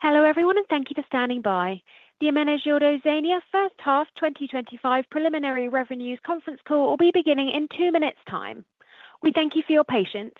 Hello everyone, and thank you for standing by. The Ermenegildo Zegna first half 2025 preliminary revenues conference call will be beginning in two minutes' time. We thank you for your patience.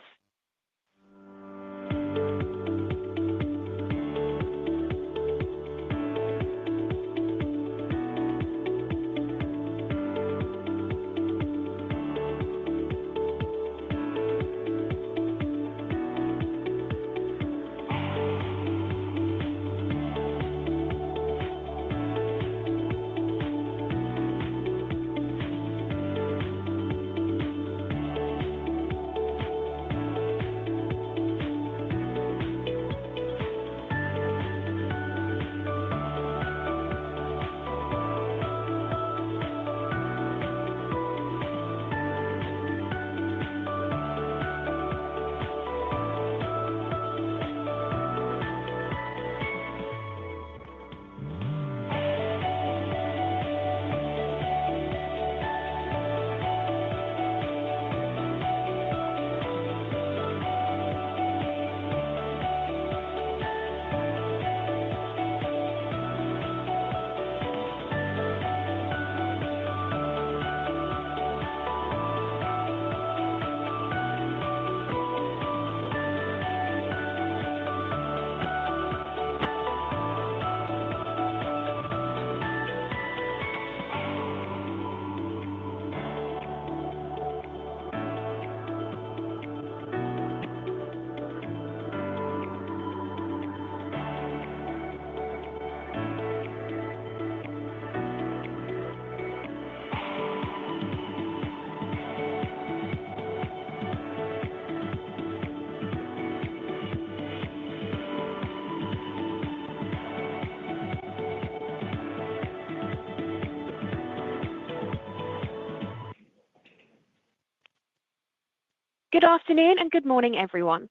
Good afternoon and good morning, everyone.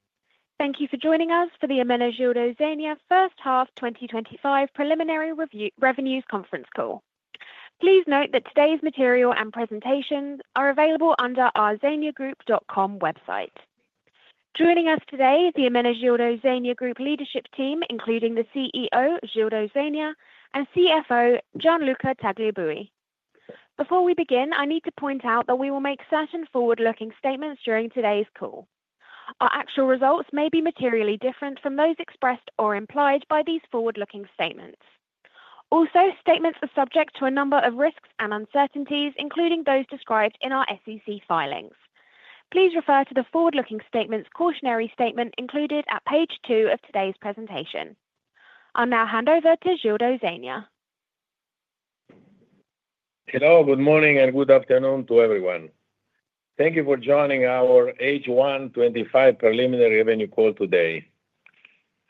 Thank you for joining us for the Ermenegildo Zegna first half 2025 preliminary revenues conference call. Please note that today's material and presentations are available under our zegnagroup.com website. Joining us today is the Ermenegildo Zegna Group Leadership Team, including the CEO, Gildo Zegna, and CFO, Gianluca Tagliabue. Before we begin, I need to point out that we will make certain forward-looking statements during today's call. Our actual results may be materially different from those expressed or implied by these forward-looking statements. Also, statements are subject to a number of risks and uncertainties, including those described in our SEC filings. Please refer to the forward-looking statement's cautionary statement included at page two of today's presentation. I'll now hand over to Gildo Zegna. Hello, good morning and good afternoon to everyone. Thank you for joining our H1 2025 preliminary revenue call today.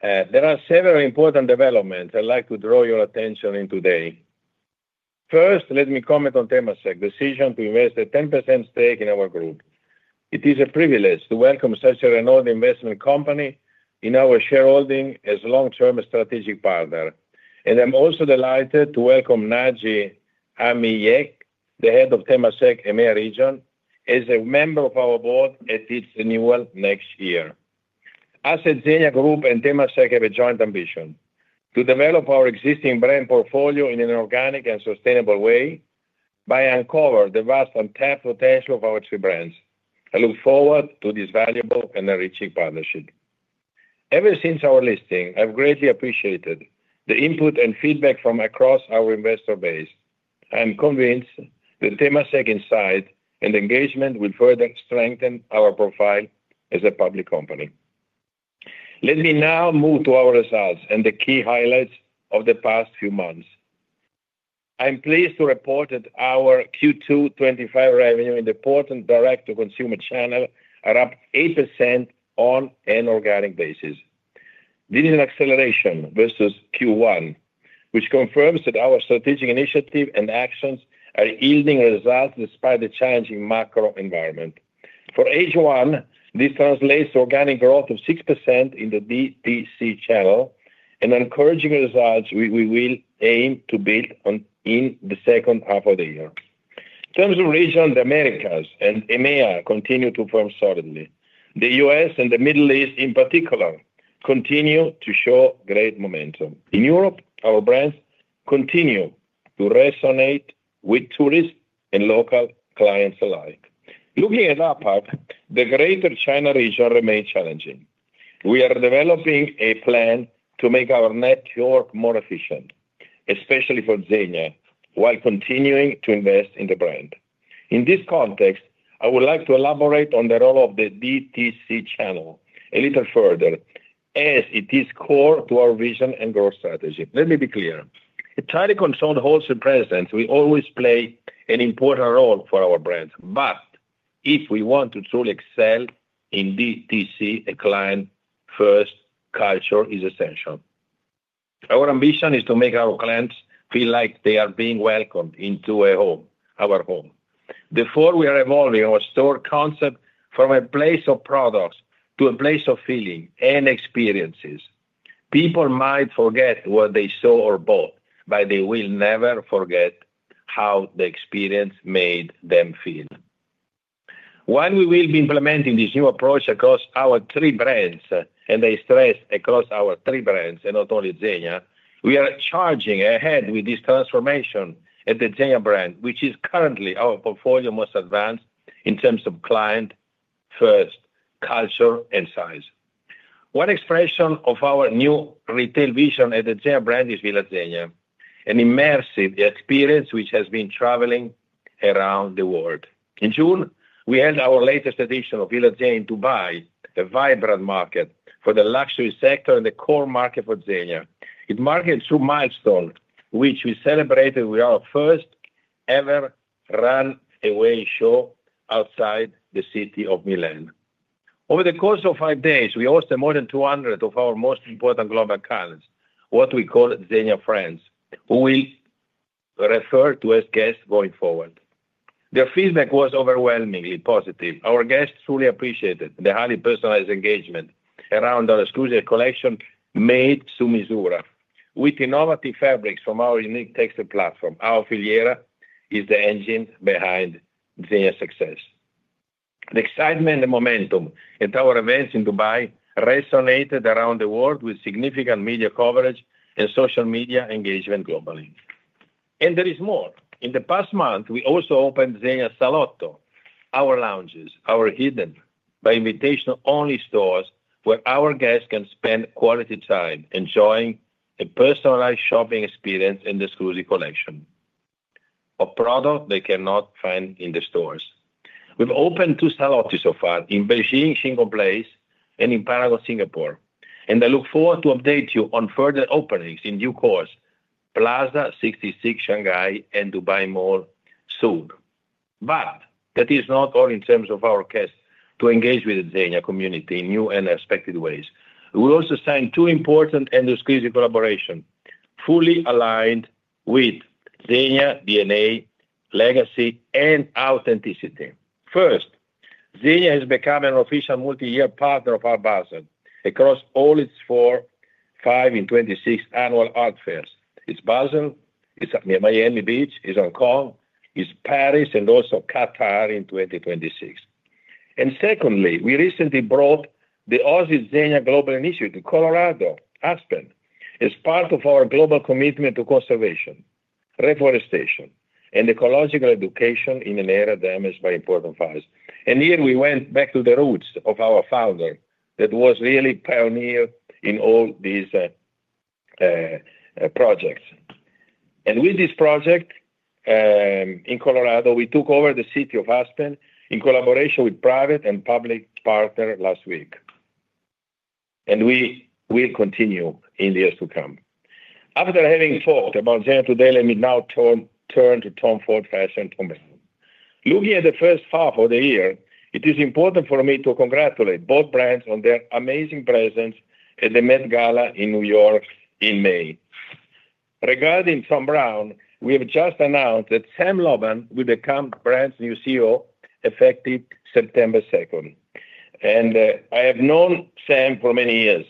There are several important developments I'd like to draw your attention to today. First, let me comment on Temasek's decision to invest a 10% stake in our group. It is a privilege to welcome such a renowned investment company in our shareholding as a long-term strategic partner. I'm also delighted to welcome Naji Ameyek, the Head of Temasek EMEA Region, as a member of our board at its renewal next year. As a Zegna Group and Temasek have a joint ambition: to develop our existing brand portfolio in an organic and sustainable way by uncovering the vast untapped potential of our two brands. I look forward to this valuable and enriching partnership. Ever since our listing, I've greatly appreciated the input and feedback from across our investor base. I'm convinced that Temasek's insight and engagement will further strengthen our profile as a public company. Let me now move to our results and the key highlights of the past few months. I'm pleased to report that our Q2 2025 revenue in the group and direct-to-consumer channel are up 8% on an organic basis. This is an acceleration versus Q1, which confirms that our strategic initiatives and actions are yielding results despite the challenging macro environment. For H1, this translates to organic growth of 6% in the DTC channel and encouraging results we will aim to build on in the second half of the year. In terms of region, the Americas and EMEA continue to perform solidly. The U.S. and the Middle East, in particular, continue to show great momentum. In Europe, our brands continue to resonate with tourists and local clients alike. Looking at our part, the Greater China region remains challenging. We are developing a plan to make our network more efficient, especially for Zegna, while continuing to invest in the brand. In this context, I would like to elaborate on the role of the DTC channel a little further, as it is core to our vision and growth strategy. Let me be clear: a tightly controlled wholesale presence will always play an important role for our brands, but if we want to truly excel in DTC, a client-first culture is essential. Our ambition is to make our clients feel like they are being welcomed into our home. Therefore, we are evolving our store concept from a place of products to a place of feelings and experiences. People might forget what they saw or bought, but they will never forget how the experience made them feel. When we will be implementing this new approach across our three brands, and I stress across our three brands and not only Zegna, we are charging ahead with this transformation at the Zegna brand, which is currently our portfolio's most advanced in terms of client-first culture and size. One expression of our new retail vision at the Zegna brand is Villa Zegna, an immersive experience which has been traveling around the world. In June, we held our latest edition of Villa Zegna in Dubai, a vibrant market for the luxury sector and the core market for Zegna. It marked a true milestone, which we celebrated with our first-ever runway show outside the city of Milan. Over the course of five days, we hosted more than 200 of our most important global clients, what we call Zegna friends, who we will refer to as guests going forward. Their feedback was overwhelmingly positive. Our guests truly appreciated the highly personalized engagement around our exclusive collection made to measure with innovative fabrics from our unique textile platform. Our Filiera is the engine behind Zegna's success. The excitement and the momentum at our events in Dubai resonated around the world with significant media coverage and social media engagement globally. There is more: in the past month, we also opened Zegna Salotto, our lounges, our hidden by invitation-only stores where our guests can spend quality time enjoying a personalized shopping experience and exclusive collection of products they cannot find in the stores. We've opened two Zegna so far in Beijing's Xingou Place and in Paragon, Singapore. I look forward to updating you on further openings in new cores: Plaza 66, Shanghai, and Dubai Mall soon. That is not all in terms of our quest to engage with the Zegna community in new and unexpected ways. We also signed two important and exclusive collaborations fully aligned with Zegna's DNA, legacy, and authenticity. First, Zegna has become an official multi-year partner of Art Basel across all its four, five, and 26 annual art fairs. It's Basel, it's Miami Beach, it's Hong Kong, it's Paris, and also Qatar in 2026. Secondly, we recently brought the Oasi Zegna Global Initiative to Aspen, Colorado, as part of our global commitment to conservation, reforestation, and ecological education in an area damaged by important fires. Here we went back to the roots of our founder that was really a pioneer in all these projects. With this project in Colorado, we took over the city of Aspen in collaboration with private and public partners last week. We will continue in the years to come. After having talked about Zegna today, let me now turn to Tom Ford Fashion and Thom Browne. Looking at the first half of the year, it is important for me to congratulate both brands on their amazing presence at the Met Gala in New York in May. Regarding Thom Browne, we have just announced that Sam Lovin will become the brand's new CEO effective September 2nd. I have known Sam for many years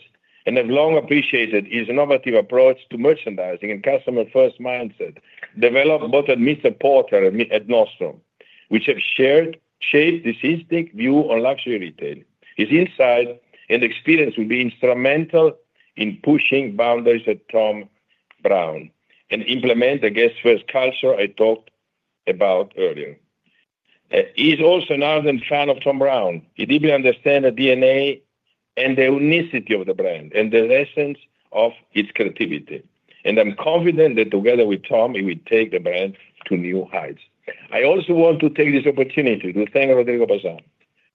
and have long appreciated his innovative approach to merchandising and client-first culture developed both at Mr. Porter and at Nordstrom, which have shaped this distinct view on luxury retail. His insights and experience will be instrumental in pushing boundaries at Thom Browne and implementing the client-first culture I talked about earlier. He is also an ardent fan of Thom Browne. He deeply understands the DNA and the unicity of the brand and the essence of its creativity. I am confident that together with Thom, he will take the brand to new heights. I also want to take this opportunity to thank Rodrigo Bazan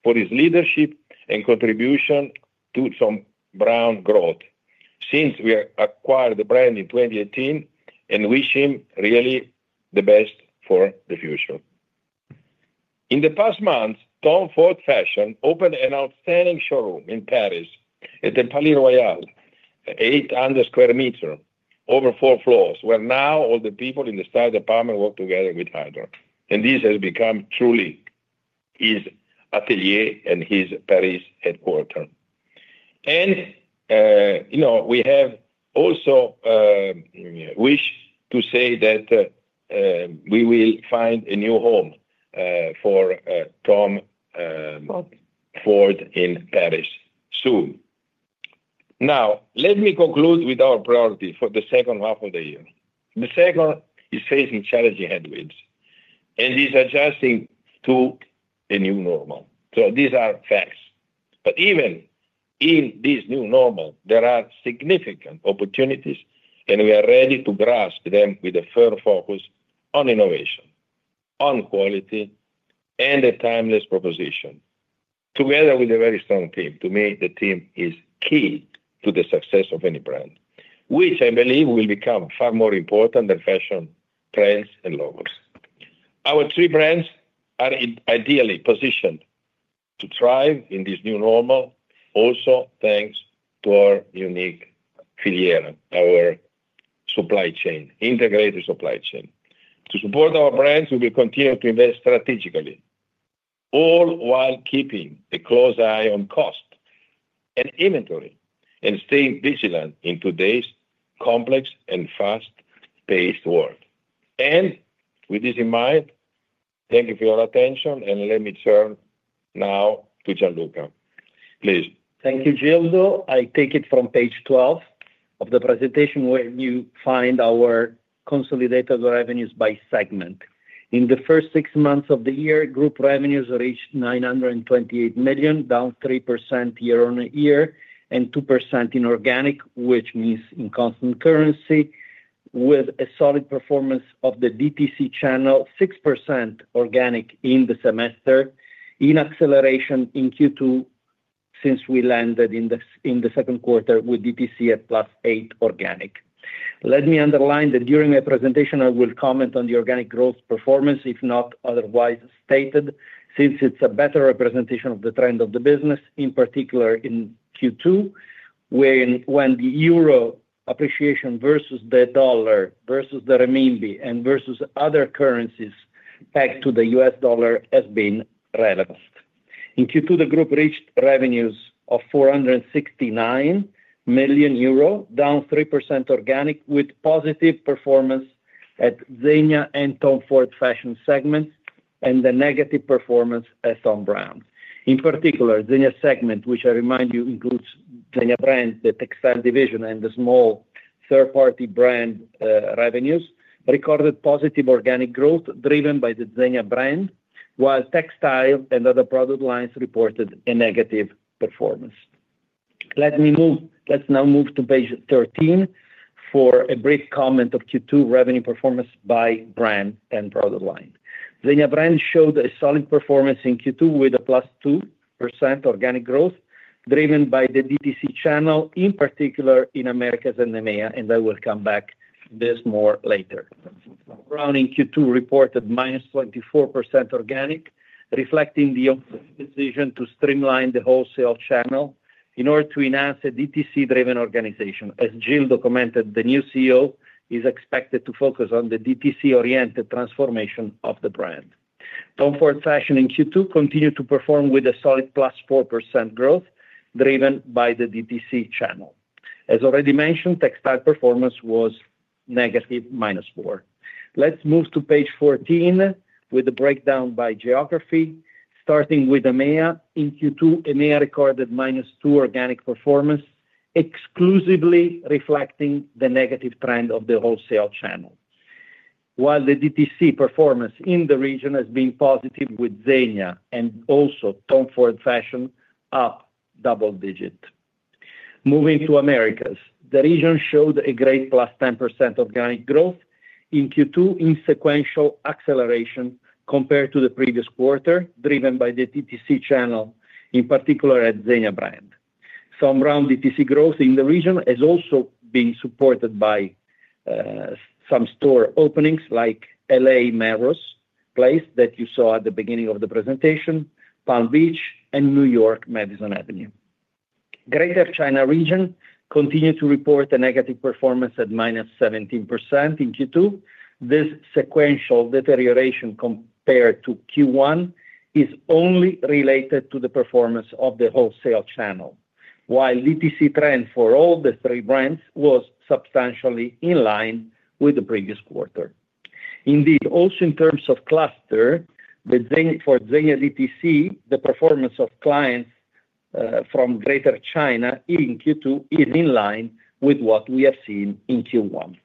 for his leadership and contribution to Thom Browne's growth since we acquired the brand in 2018 and wish him the best for the future. In the past months, Tom Ford Fashion opened an outstanding showroom in Paris at the Palais Royal, 800 sq m, over four floors, where now all the people in the style department work together with Peter Hawkings. This has become truly his atelier and his Paris headquarters. You know we have also wished to say that we will find a new home for Tom Ford in Paris soon. Now, let me conclude with our priorities for the second half of the year. The sector is facing challenging headwinds, and it is adjusting to a new normal. These are facts. Even in this new normal, there are significant opportunities, and we are ready to grasp them with a firm focus on innovation, on quality, and a timeless proposition together with a very strong team. To me, the team is key to the success of any brand, which I believe will become far more important than fashion brands and logos. Our three brands are ideally positioned to thrive in this new normal, also thanks to our unique filiera, our integrated supply chain. To support our brands, we will continue to invest strategically, all while keeping a close eye on cost and inventory and staying vigilant in today's complex and fast-paced world. With this in mind, thank you for your attention, and let me turn now to Gianluca. Please. Thank you, Gildo. I take it from page 12 of the presentation where you find our consolidated revenues by segment. In the first six months of the year, group revenues reached 928 million, down 3% year-on-year and 2% in organic, which means in constant currency, with a solid performance of the DTC channel, 6% organic in the semester, in acceleration in Q2 since we landed in the second quarter with DTC at +8% organic. Let me underline that during my presentation, I will comment on the organic growth performance, if not otherwise stated, since it's a better representation of the trend of the business, in particular in Q2, when the euro appreciation versus the dollar, versus the renminbi, and versus other currencies pegged to the U.S. dollar has been relevant. In Q2, the group reached revenues of 469 million euro, down 3% organic, with positive performance at Zegna and Tom Ford Fashion segments and the negative performance at Thom Browne. In particular, Zegna segment, which I remind you includes Zegna brand, the textile division, and the small third-party brand revenues, recorded positive organic growth driven by the Zegna brand, while textile and other product lines reported a negative performance. Let's now move to page 13 for a brief comment of Q2 revenue performance by brand and product line. Zegna brand showed a solid performance in Q2 with a 2% organic growth driven by the DTC channel, in particular in Americas and EMEA, and I will come back to this more later. Thom Browne in Q2 reported -24% organic, reflecting the decision to streamline the wholesale channel in order to enhance a DTC-driven organization. As Gildo commented, the new CEO is expected to focus on the DTC-oriented transformation of the brand. Tom Ford Fashion in Q2 continued to perform with a solid +4% growth driven by the DTC channel. As already mentioned, textile performance was negative -4%. Let's move to page 14 with a breakdown by geography, starting with EMEA. In Q2, EMEA recorded -2% organic performance, exclusively reflecting the negative trend of the wholesale channel, while the DTC performance in the region has been positive with Zegna and also Tom Ford Fashion up double digits. Moving to Americas, the region showed a great + 10% organic growth in Q2 in sequential acceleration compared to the previous quarter, driven by the DTC channel, in particular at Zegna brand. Some round DTC growth in the region has also been supported by some store openings like LA Merrell's Place that you saw at the beginning of the presentation, Palm Beach, and New York Madison Avenue. Greater China region continued to report a negative performance at -17% in Q2. This sequential deterioration compared to Q1 is only related to the performance of the wholesale channel, while the DTC trend for all the three brands was substantially in line with the previous quarter. Indeed, also in terms of cluster, for Zegna DTC, the performance of clients from Greater China in Q2 is in line with what we have seen in Q1.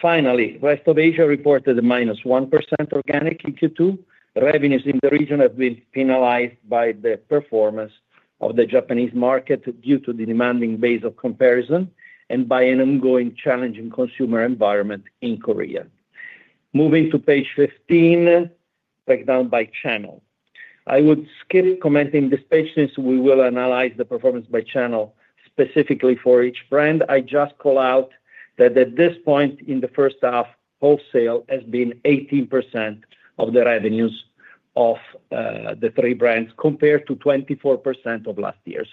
Finally, the rest of Asia reported a -1% organic in Q2. Revenues in the region have been penalized by the performance of the Japanese market due to the demanding base of comparison and by an ongoing challenging consumer environment in Korea. Moving to page 15, breakdown by channel. I would skip commenting this page since we will analyze the performance by channel specifically for each brand. I just call out that at this point in the first half, wholesale has been 18% of the revenues of the three brands compared to 24% of last year.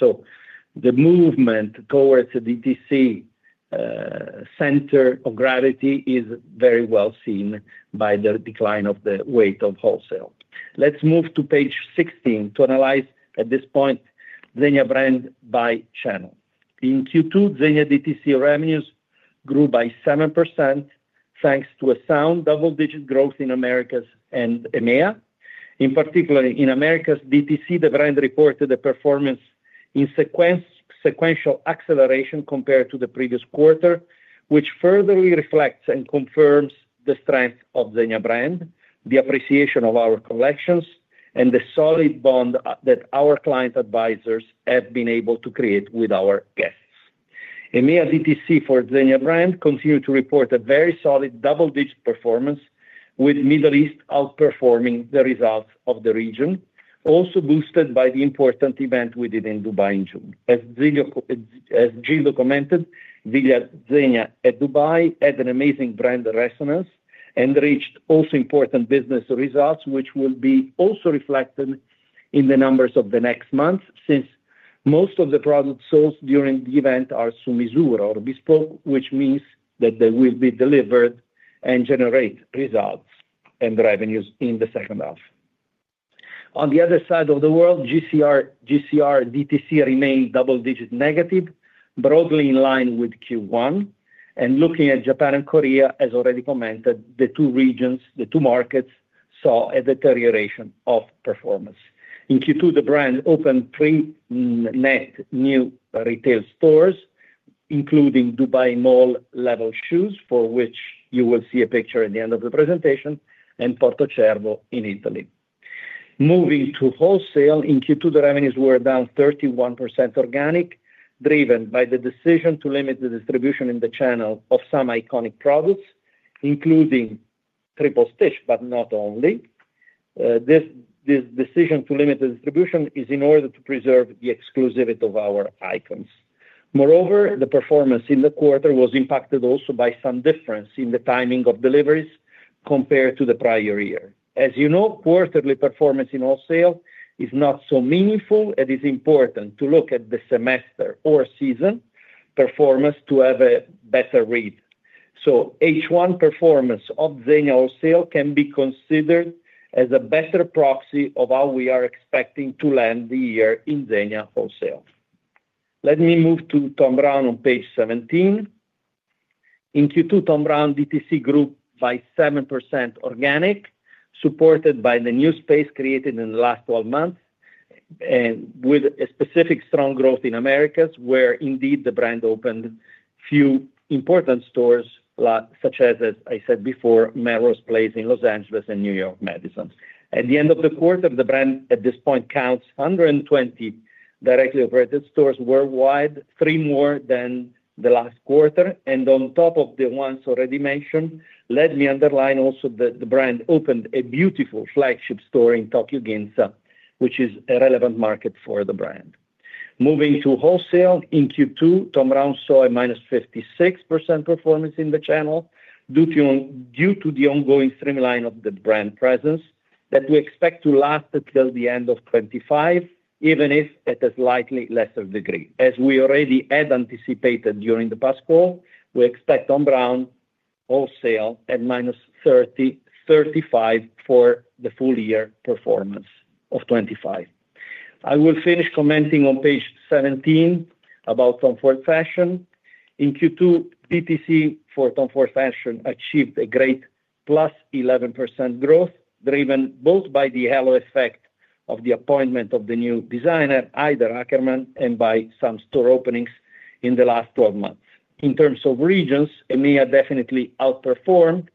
The movement towards the DTC center of gravity is very well seen by the decline of the weight of wholesale. Let's move to page 16 to analyze at this point Zegna brand by channel. In Q2, Zegna DTC revenues grew by 7% thanks to a sound double-digit growth in Americas and EMEA. In particular, in Americas, DTC, the brand reported a performance in sequential acceleration compared to the previous quarter, which further reflects and confirms the strength of Zegna brand, the appreciation of our collections, and the solid bond that our client advisors have been able to create with our guests. EMEA DTC for Zegna brand continued to report a very solid double-digit performance with Middle East outperforming the results of the region, also boosted by the important event we did in Dubai in June. As Gildo commented, Villa Zegna at Dubai had an amazing brand resonance and reached also important business results, which will be also reflected in the numbers of the next month since most of the products sold during the event are to-measure or bespoke, which means that they will be delivered and generate results and revenues in the second half. On the other side of the world, GCR DTC remained double-digit negative, broadly in line with Q1. Looking at Japan and Korea, as already commented, the two regions, the two markets saw a deterioration of performance. In Q2, the brand opened three net new retail stores, including Dubai Mall Level Shoes, for which you will see a picture at the end of the presentation, and Porto Cervo in Italy. Moving to wholesale, in Q2, the revenues were down 31% organic, driven by the decision to limit the distribution in the channel of some iconic products, including Triple Stitch, but not only. This decision to limit the distribution is in order to preserve the exclusivity of our icons. Moreover, the performance in the quarter was impacted also by some difference in the timing of deliveries compared to the prior year. As you know, quarterly performance in wholesale is not so meaningful. It is important to look at the semester or season performance to have a better read. H1 performance of Zegna wholesale can be considered as a better proxy of how we are expecting to land the year in Zegna wholesale. Let me move to Thom Browne on page 17. In Q2, Thom Browne DTC grew by 7% organic, supported by the new space created in the last 12 months and with a specific strong growth in Americas, where indeed the brand opened a few important stores such as, as I said before, Merrell's Place in Los Angeles and New York Madison. At the end of the quarter, the brand at this point counts 120 directly operated stores worldwide, three more than the last quarter. On top of the ones already mentioned, let me underline also that the brand opened a beautiful flagship store in Tokyo, Ginza, which is a relevant market for the brand. Moving to wholesale, in Q2, Thom Browne saw a -56% performance in the channel due to the ongoing streamline of the brand presence that we expect to last until the end of 2025, even if at a slightly lesser degree. As we already had anticipated during the past call, we expect Thom Browne wholesale at -35% for the full year performance of 2025. I will finish commenting on page 17 about Tom Ford Fashion. In Q2, DTC for Tom Ford Fashion achieved a great + 11% growth, driven both by the halo effect of the appointment of the new designer, Peter Hawkings, and by some store openings in the last 12 months. In terms of regions, EMEA definitely outperformed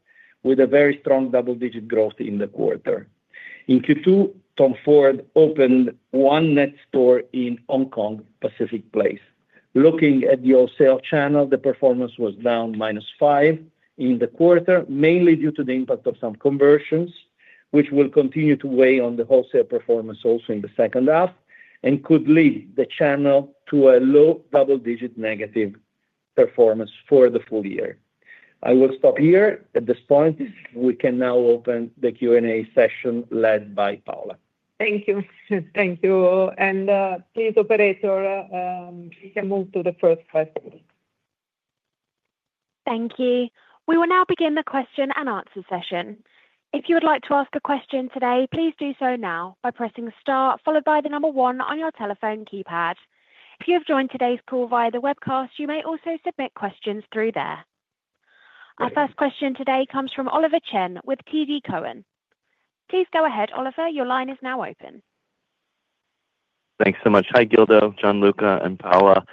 with a very strong double-digit growth in the quarter. In Q2, Tom Ford opened one net store in Hong Kong Pacific Place. Looking at the wholesale channel, the performance was down -5% in the quarter, mainly due to the impact of some conversions, which will continue to weigh on the wholesale performance also in the second half and could lead the channel to a low double-digit negative performance for the full year. I will stop here at this point. We can now open the Q&A session led by Paola. Thank you. Thank you all. Please, operator, we can move to the first question. Thank you. We will now begin the question-and-answer session. If you would like to ask a question today, please do so now by pressing the star followed by the number one on your telephone keypad. If you have joined today's call via the webcast, you may also submit questions through there. Our first question today comes from Oliver Chen with TD Cowen. Please go ahead, Oliver. Your line is now open. Thanks so much. Hi, Gildo, Gianluca, and Paola.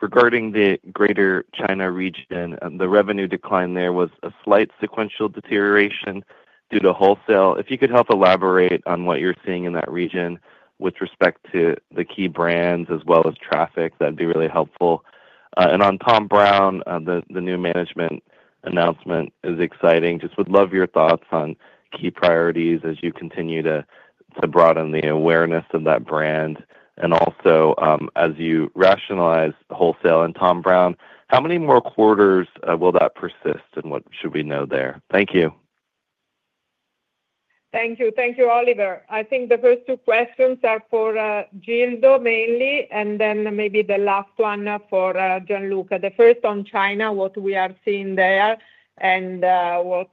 Regarding the Greater China region, the revenue decline there was a slight sequential deterioration due to wholesale. If you could help elaborate on what you're seeing in that region with respect to the key brands as well as traffic, that'd be really helpful. On Thom Browne, the new management announcement is exciting. I would love your thoughts on key priorities as you continue to broaden the awareness of that brand and also as you rationalize wholesale. For Thom Browne, how many more quarters will that persist and what should we know there? Thank you. Thank you. Thank you, Oliver. I think the first two questions are for Gildo mainly, and then maybe the last one for Gianluca. The first on China, what we are seeing there and what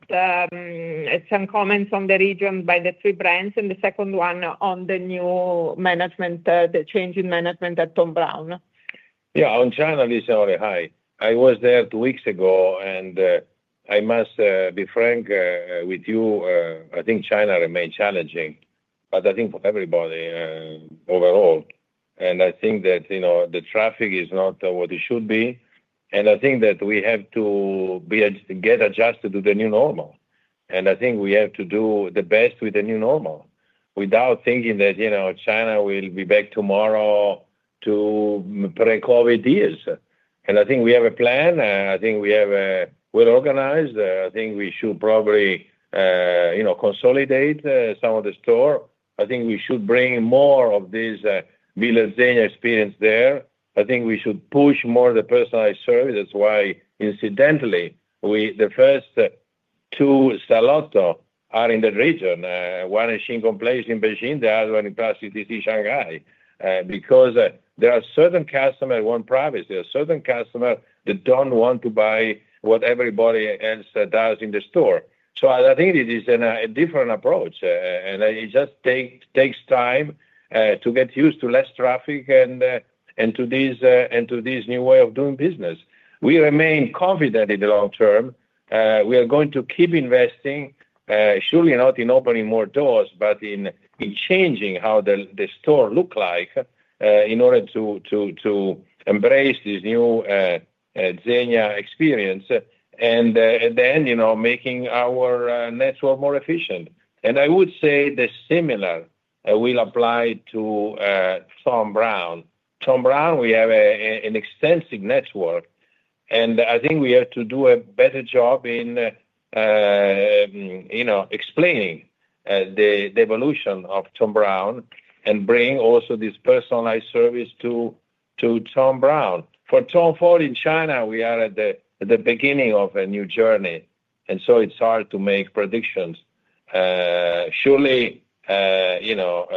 some comments on the region by the three brands, and the second one on the new management, the change in management at Thom Browne. Yeah, on China, Lisa and Ollie, hi. I was there two weeks ago, and I must be frank with you. I think China remains challenging, but I think for everybody overall. I think that, you know, the traffic is not what it should be. I think that we have to get adjusted to the new normal. I think we have to do the best with the new normal without thinking that, you know, China will be back tomorrow to pre-COVID years. I think we have a plan. I think we are well-organized. I think we should probably, you know, consolidate some of the stores. I think we should bring more of this Villa Zegna experience there. I think we should push more of the personalized service. That's why, incidentally, the first two Salotto are in that region. One is at Xingou Place in Beijing, the other one in Plaza 66, Shanghai, because there are certain customers that want privacy. There are certain customers that don't want to buy what everybody else does in the store. I think this is a different approach, and it just takes time to get used to less traffic and to this new way of doing business. We remain confident in the long term. We are going to keep investing, surely not in opening more doors, but in changing how the store looks in order to embrace this new Zegna experience and, at the end, making our network more efficient. I would say the similar will apply to Thom Browne. Thom Browne, we have an extensive network, and I think we have to do a better job in explaining the evolution of Thom Browne and bring also this personalized service to Thom Browne. For Tom Ford Fashion in China, we are at the beginning of a new journey, and it's hard to make predictions. Surely, you know,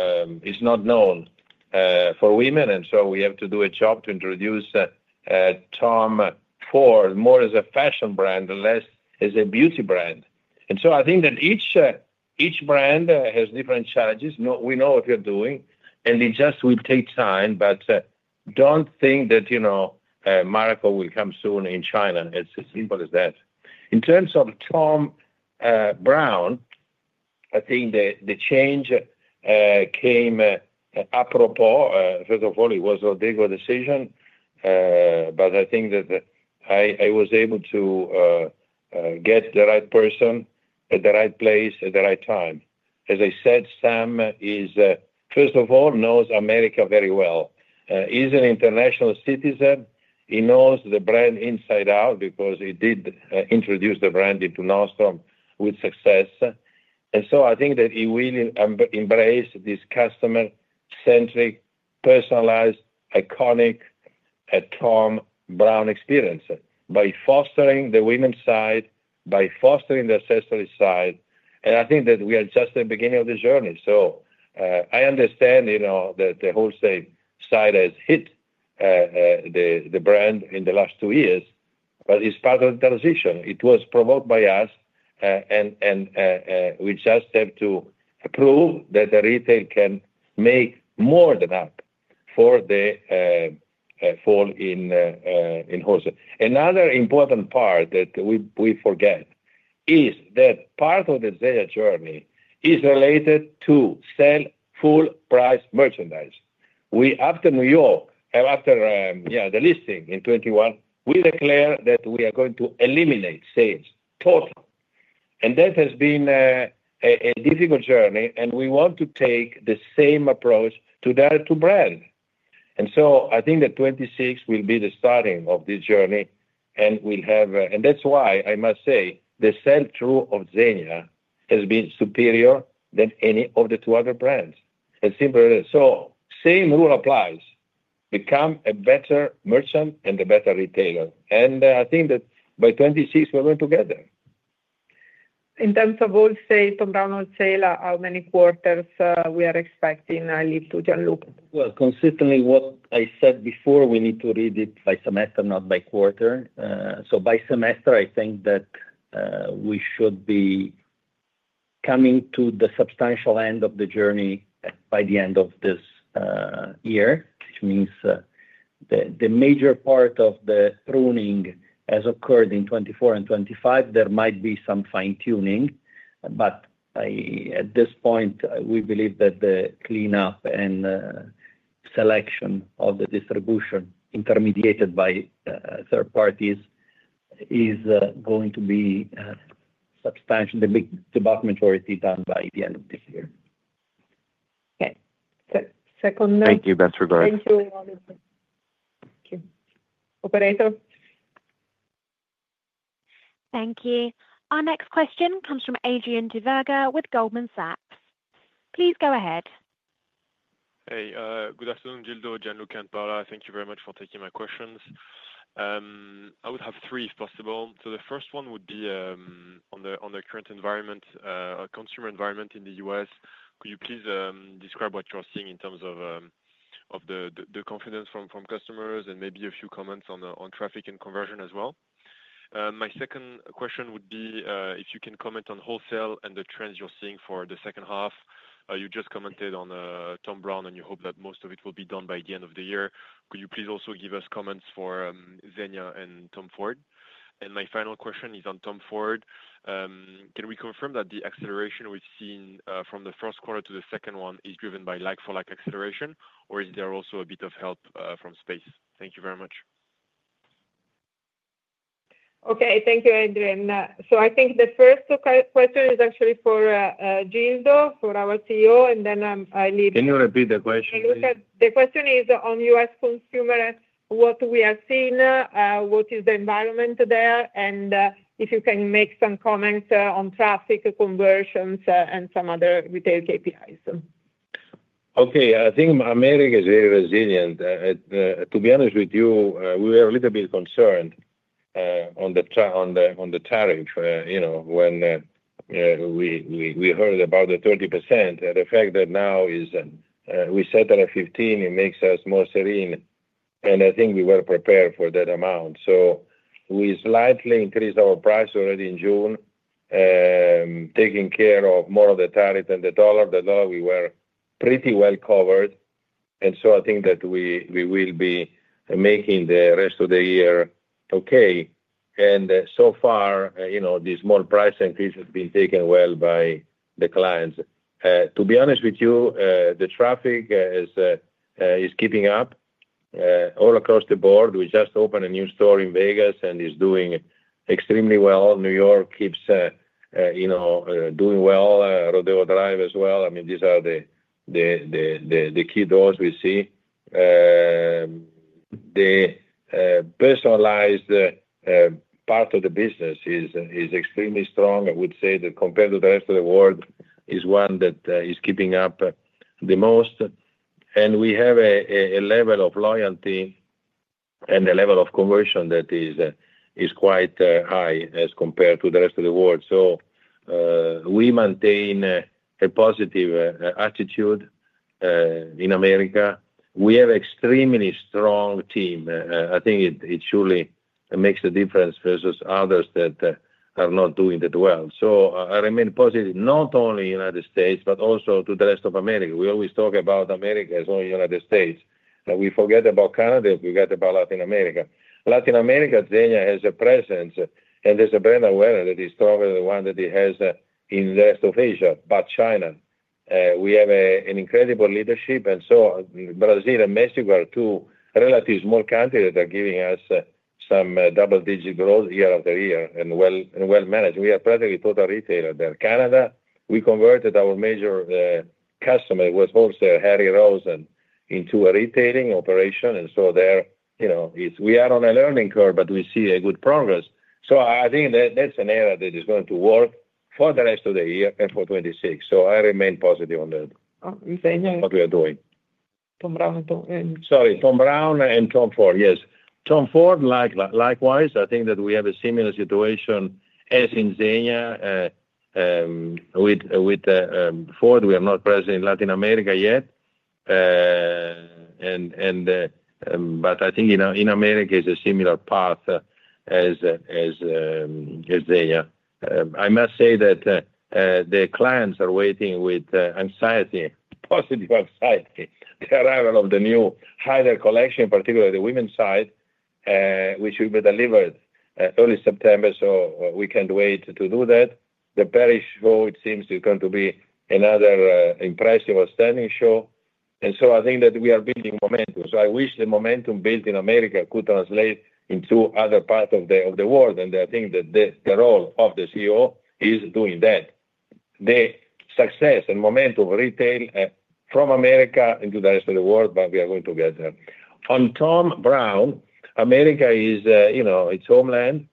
it's not known for women, and we have to do a job to introduce Tom Ford more as a fashion brand and less as a beauty brand. I think that each brand has different challenges. We know what we're doing, and it just will take time, but don't think that, you know, a miracle will come soon in China. It's as simple as that. In terms of Thom Browne, I think the change came apropos. First of all, it was Rodrigo's decision, but I think that I was able to get the right person at the right place at the right time. As I said, Sam is, first of all, knows America very well. He's an international citizen. He knows the brand inside out because he did introduce the brand into Nordstrom with success. I think that he will embrace this customer-centric, personalized, iconic Thom Browne experience by fostering the women's side, by fostering the accessory side. I think that we are just at the beginning of the journey. I understand that the wholesale side has hit the brand in the last two years, but it's part of the transition. It was promoted by us, and we just have to prove that the retail can make more than up for the fall in wholesale. Another important part that we forget is that part of the Zegna journey is related to sell full-price merchandise. After New York, after the listing in 2021, we declared that we are going to eliminate sales total. That has been a difficult journey, and we want to take the same approach to the other two brands. I think that 2026 will be the starting of this journey, and that's why I must say the sell-through of Zegna has been superior than any of the two other brands. Simply, the same rule applies. Become a better merchant and a better retailer. I think that by 2026, we're going together. In terms of wholesale, Thom Browne wholesale, how many quarters we are expecting? I leave to Gianluca. Consistently with what I said before, we need to read it by semester, not by quarter. By semester, I think that we should be coming to the substantial end of the journey by the end of this year, which means the major part of the pruning has occurred in 2024 and 2025. There might be some fine-tuning, but at this point, we believe that the cleanup and selection of the distribution intermediated by third parties is going to be substantially, the big departmentality, done by the end of this year. Okay. Second note. Thank you, best regards. Thank you, Oliver. Thank you, Operator. Thank you. Our next question comes from Adrien Diverga with Goldman Sachs. Please go ahead. Hey. Good afternoon, Gildo, Gianluca, and Paola. Thank you very much for taking my questions. I would have three if possible. The first one would be on the current environment, a consumer environment in the U.S. Could you please describe what you're seeing in terms of the confidence from customers, and maybe a few comments on traffic and conversion as well? My second question would be if you can comment on wholesale and the trends you're seeing for the second half. You just commented on Thom Browne, and you hope that most of it will be done by the end of the year. Could you please also give us comments for Zegna and Tom Ford? My final question is on Tom Ford. Can we confirm that the acceleration we've seen from the first quarter to the second one is driven by like-for-like acceleration, or is there also a bit of help from space? Thank you very much. Okay. Thank you, Adrian. I think the first question is actually for Gildo, for our CEO, and then I'll lead. Can you repeat the question? The question is on U.S. consumers, what we are seeing, what is the environment there, and if you can make some comments on traffic, conversions, and some other retail KPIs. Okay. I think America is very resilient. To be honest with you, we were a little bit concerned on the tariff, you know, when we heard about the 30%. The fact that now it is set at 15% makes us more serene. I think we were prepared for that amount. We slightly increased our price already in June, taking care of more of the tariff than the dollar. The dollar, we were pretty well covered. I think that we will be making the rest of the year okay. So far, this small price increase has been taken well by the clients. To be honest with you, the traffic is keeping up all across the board. We just opened a new store in Vegas and it's doing extremely well. New York keeps doing well. Rodeo Drive as well. These are the key doors we see. The personalized part of the business is extremely strong. I would say that compared to the rest of the world, it's one that is keeping up the most. We have a level of loyalty and a level of conversion that is quite high as compared to the rest of the world. We maintain a positive attitude in America. We have an extremely strong team. I think it surely makes a difference versus others that are not doing that well. I remain positive, not only in the United States, but also to the rest of America. We always talk about America as only the United States. We forget about Canada. We forget about Latin America. Latin America, Zegna has a presence and there's a brand awareness that is stronger than the one that it has in the rest of Asia, but China. We have an incredible leadership. Brazil and Mexico are two relatively small countries that are giving us some double-digit growth year-after-year and well managed. We are practically a total retailer there. Canada, we converted our major customer with wholesale, Harry Rosen, into a retailing operation. There, we are on a learning curve, but we see good progress. I think that that's an area that is going to work for the rest of the year and for 2026. I remain positive on that. On Zegna. What we are doing. Browne and Tom Ford Fashion. Sorry, Thom Browne and Tom Ford, yes. Tom Ford, likewise, I think that we have a similar situation as in Zegna. With Ford, we are not present in Latin America yet. I think in America it's a similar path as Zegna. I must say that the clients are waiting with anxiety, positive anxiety, the arrival of the new higher collection, particularly the women's side, which will be delivered early September. We can't wait to do that. The Paris show, it seems to be going to be another impressive, outstanding show. I think that we are building momentum. I wish the momentum built in America could translate into other parts of the world. I think that the role of the CEO is doing that. The success and momentum retail from America into the rest of the world, we are going to get there. On Thom Browne, America is, you know, its homeland.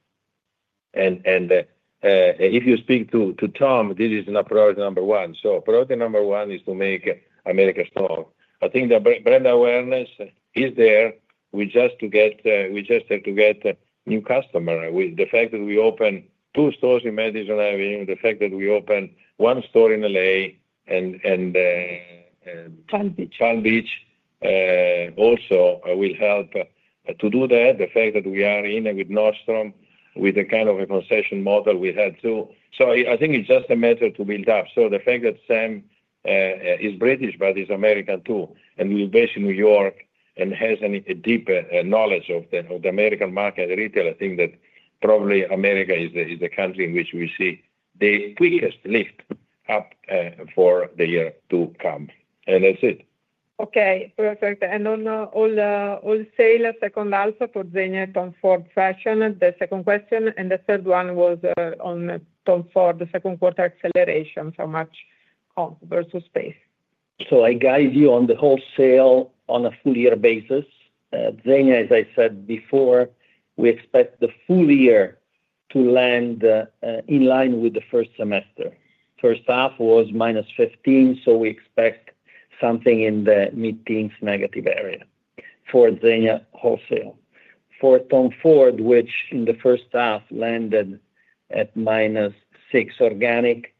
If you speak to Thom, this is not priority number one. Priority number one is to make America strong. I think the brand awareness is there. We just have to get new customers. The fact that we opened two stores in Madison Avenue, the fact that we opened one store in LA, and. Chalmbeach. rationalization also will help to do that. The fact that we are in with Nordstrom with a kind of a concession model, we had too. I think it's just a matter to build up. The fact that Sam is British, but he's American too, and he's based in New York and has a deep knowledge of the American market and retail, I think that probably America is the country in which we see the quickest lift up for the year to come. That's it. Okay. Perfect. On all sales second half for Zegna and Tom Ford Fashion, the second question. The third one was on Tom Ford, the second quarter acceleration, how much comp versus space. I guide you on the wholesale on a full-year basis. Zegna, as I said before, we expect the full year to land in line with the first semester. First half was -15%, so we expect something in the mid-teens negative area for Zegna wholesale. For Tom Ford, which in the first half landed at -6% organic,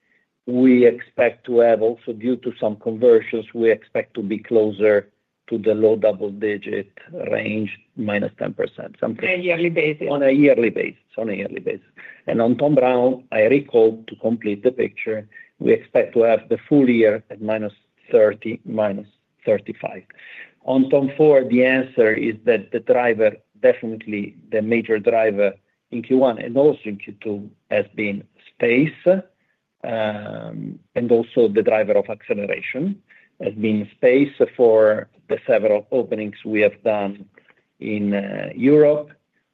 we expect to have also, due to some conversions, we expect to be closer to the low double-digit range, -10%. On a yearly basis. On a yearly basis. On a yearly basis. On Thom Browne, I recall to complete the picture, we expect to have the full year at -30%, -35%. On Tom Ford Fashion, the answer is that the driver, definitely the major driver in Q1 and also in Q2, has been space. The driver of acceleration has been space for the several openings we have done in Europe,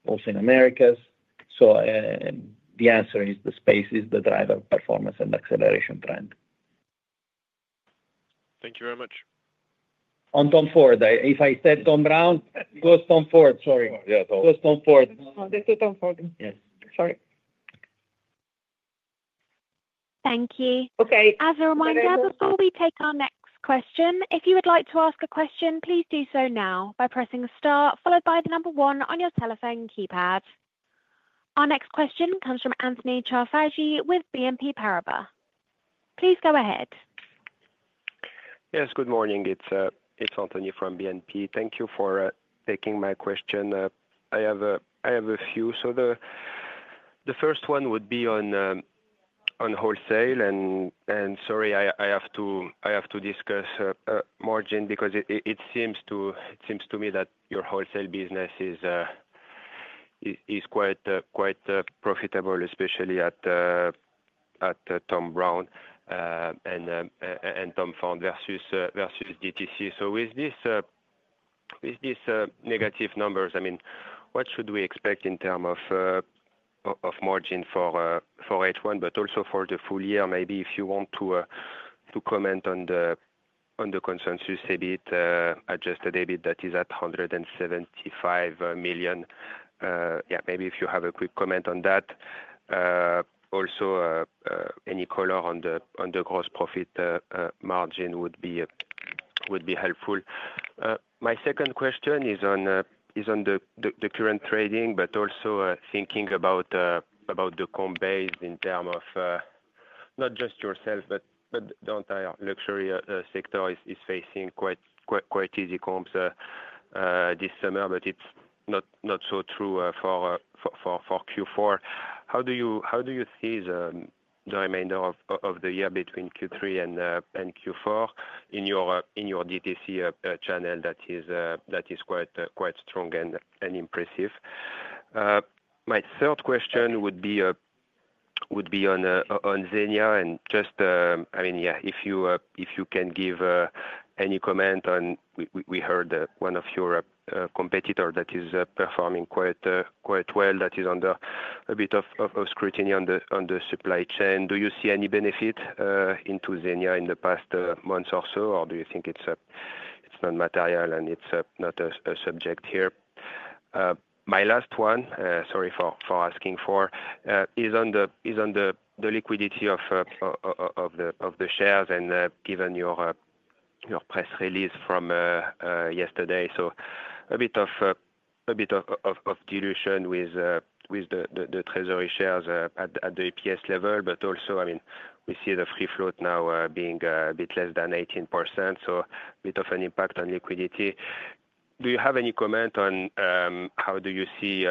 also in Americas. The answer is the space is the driver of performance and acceleration trend. Thank you very much. On Tom Ford, if I said Tom Browne, it was Tom Ford. Sorry. Tom. It was Tom Ford Fashion. Oh, that's the Tom Ford Fashion. Yes. Sorry. Thank you. Okay. As a reminder, before we take our next question, if you would like to ask a question, please do so now by pressing the star followed by the number one on your telephone keypad. Our next question comes from Anthony Ciaffagi with BNP Paribas. Please go ahead. Yes. Good morning. It's Anthony from BNP Paribas. Thank you for taking my question. I have a few. The first one would be on wholesale. Sorry, I have to discuss margin because it seems to me that your wholesale business is quite profitable, especially at Thom Browne and Tom Ford Fashion versus DTC. With these negative numbers, what should we expect in terms of margin for H1, but also for the full year? Maybe if you want to comment on the consensus a bit, adjusted a bit that is at $175 million. Maybe if you have a quick comment on that. Also, any color on the gross profit margin would be helpful. My second question is on the current trading, but also thinking about the comp base in terms of not just yourself, but the entire luxury sector is facing quite easy comps this summer. It's not so true for Q4. How do you see the remainder of the year between Q3 and Q4 in your DTC channel? That is quite strong and impressive. My third question would be on Zegna. If you can give any comment on, we heard one of your competitors that is performing quite well, that is under a bit of scrutiny on the supply chain. Do you see any benefit into Zegna in the past months or so, or do you think it's non-material and it's not a subject here? My last one, sorry for asking four, is on the liquidity of the shares and given your press release from yesterday. A bit of dilution with the treasury shares at the EPS level, but also, we see the free float now being a bit less than 18%. A bit of an impact on liquidity. Do you have any comment on how you see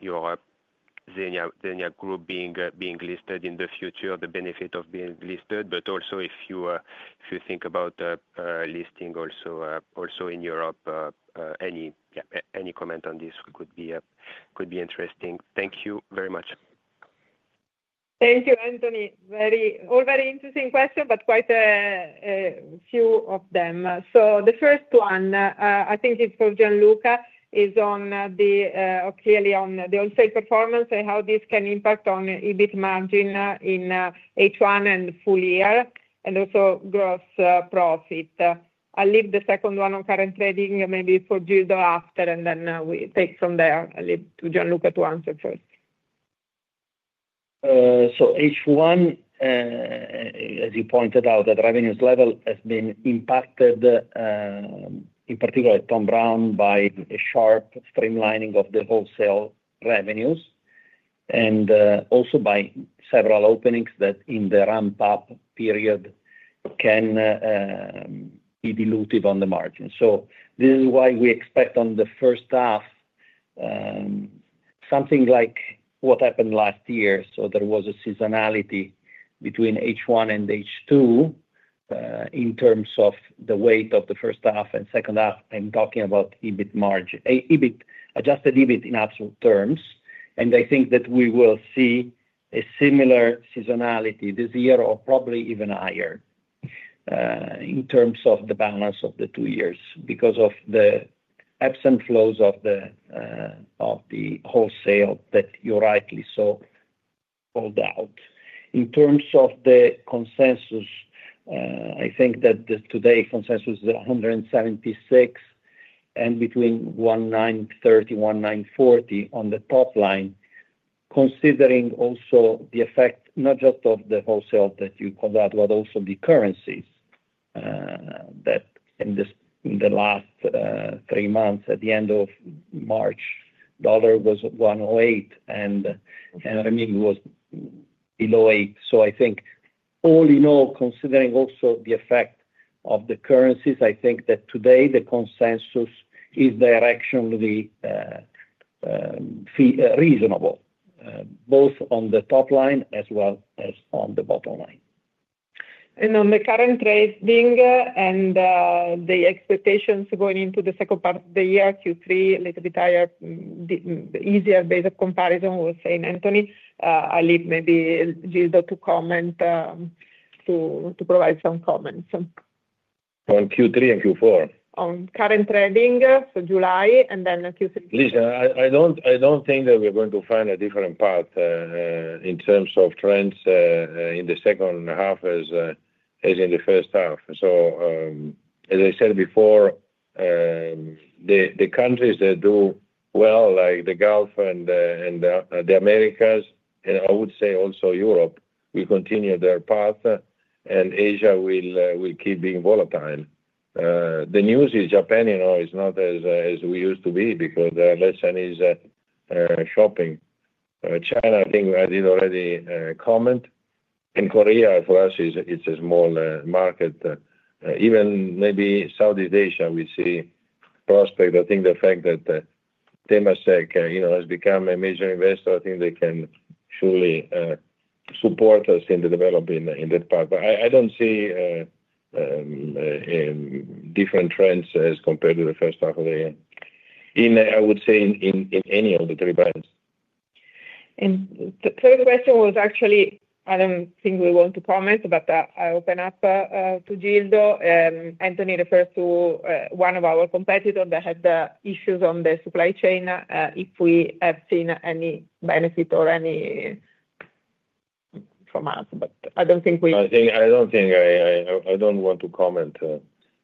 your Zegna Group being listed in the future, the benefit of being listed? Also, if you think about listing also in Europe, any comment on this could be interesting. Thank you very much. Thank you, Anthony. All very interesting questions, but quite a few of them. The first one I think is for Gianluca, is clearly on the wholesale performance and how this can impact on EBIT margin in H1 and full year and also gross profit. I'll leave the second one on current trading, maybe for Gildo after, and then we take from there. I'll leave to Gianluca to answer first. H1, as you pointed out, the revenues level has been impacted, in particular, Thom Browne by a sharp streamlining of the wholesale revenues and also by several openings that in the ramp-up period can be dilutive on the margins. This is why we expect on the first half something like what happened last year. There was a seasonality between H1 and H2 in terms of the weight of the first half and second half. I'm talking about EBIT margin, adjusted EBIT in absolute terms. I think that we will see a similar seasonality this year or probably even higher in terms of the balance of the two years because of the ebbs and flows of the wholesale that you rightly called out. In terms of the consensus, I think that today consensus is $176 million and between $130 million and $140 million on the top line, considering also the effect not just of the wholesale that you called out, but also the currencies that in the last three months, at the end of March, the dollar was $1.08 and it was below $8. I think all in all, considering also the effect of the currencies, I think that today the consensus is directionally reasonable, both on the top line as well as on the bottom line. On the current trading and the expectations going into the second part of the year, Q3, a little bit higher, easier based on comparison with St. Anthony. I'll leave maybe Gildo to comment to provide some comments. On Q3 and Q4? On current trading, July and then Q3. Listen, I don't think that we're going to find a different path in terms of trends in the second half as in the first half. As I said before, the countries that do well, like the Gulf and the Americas, and I would say also Europe, will continue their path and Asia will keep being volatile. The news is Japan, you know, is not as we used to be because their lesson is shopping. China, I think I did already comment. Korea, for us, it's a small market. Even maybe Southeast Asia, we see prospects. I think the fact that Temasek, you know, has become a major investor, I think they can surely support us in developing in that part. I don't see different trends as compared to the first half of the year, I would say, in any of the three brands. The third question was actually, I don't think we want to comment, but I open up to Gildo. Anthony referred to one of our competitors that had issues on the supply chain. If we have seen any benefit or any from us, but I don't think we. I don't think I want to comment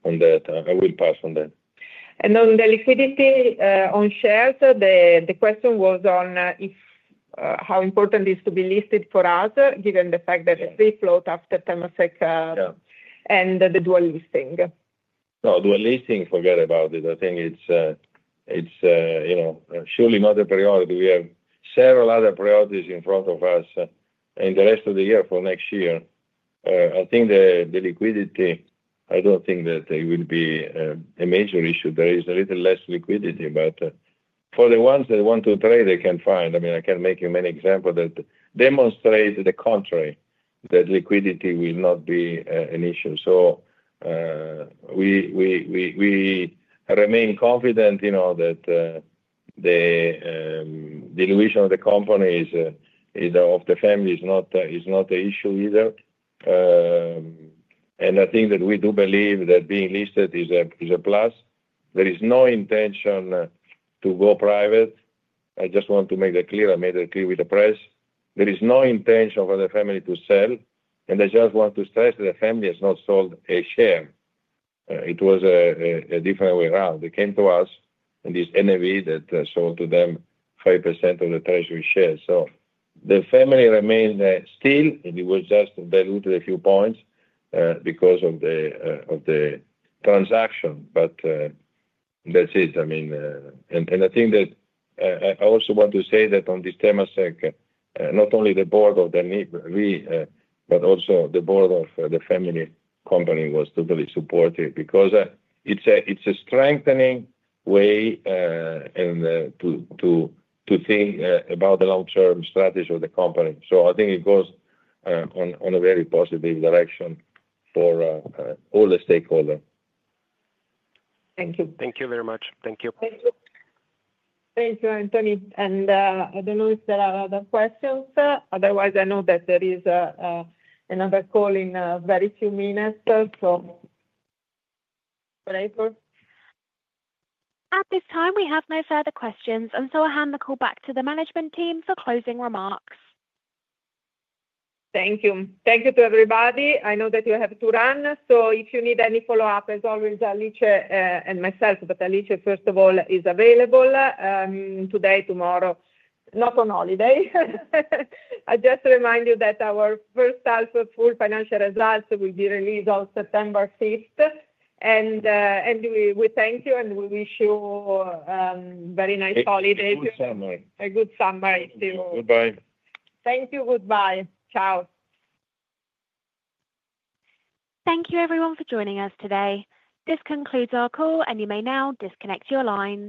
on that. I will pass on that. On the liquidity on shares, the question was on how important it is to be listed for us given the fact that the free float after Temasek and the dual listing. No, dual listing, forget about it. I think it's, you know, surely not a priority. We have several other priorities in front of us in the rest of the year for next year. I think the liquidity, I don't think that it will be a major issue. There is a little less liquidity, but for the ones that want to trade, they can find. I mean, I can make you many examples that demonstrate the contrary, that liquidity will not be an issue. We remain confident, you know, that the dilution of the companies of the family is not an issue either. I think that we do believe that being listed is a +. There is no intention to go private. I just want to make that clear. I made it clear with the press. There is no intention for the family to sell. I just want to stress that the family has not sold a share. It was a different way around. They came to us and this NAV that sold to them 5% of the treasury shares. The family remains still, and it was just diluted a few points because of the transaction. That's it. I think that I also want to say that on this Temasek, not only the board of the NAV., but also the board of the family company was totally supportive because it's a strengthening way to think about the long-term strategy of the company. I think it goes on a very positive direction for all the stakeholders. Thank you. Thank you very much. Thank you. Thank you, Anthony. I don't know if there are other questions. Otherwise, I know that there is another call in very few minutes. Operator? At this time, we have no further questions, and I hand the call back to the management team for closing remarks. Thank you. Thank you to everybody. I know that you have to run, so if you need any follow-up, as always, Alice and myself, but Alice, first of all, is available today, tomorrow, not on holiday. I just remind you that our first half of full financial results will be released on September 5. We thank you, and we wish you a very nice holiday. Have a good summer. A good summer. Thank you. Goodbye. Thank you. Goodbye. Ciao. Thank you, everyone, for joining us today. This concludes our call, and you may now disconnect your lines.